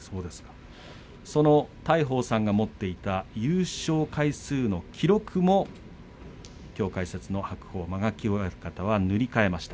その大鵬さんが持っていた優勝回数の記録もきょう解説の白鵬、間垣親方は塗り替えました。